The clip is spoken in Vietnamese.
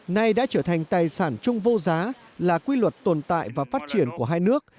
nay đã trở thành tài sản chung vô giá là quy luật tồn tại và phát triển của hai nước